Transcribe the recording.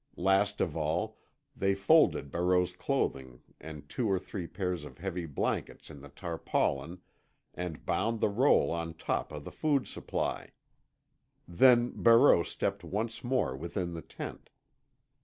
Last of all, they folded Barreau's clothing and two or three pairs of heavy blankets in the tarpaulin, and bound the roll on top of the food supply. Then Barreau stepped once more within the tent.